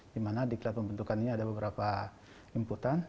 di mana diklat pembentukan ini ada beberapa inputan